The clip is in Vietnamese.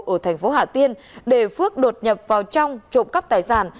ở thành phố hà tiên để phước đột nhập vào trong trộm cắp tài sản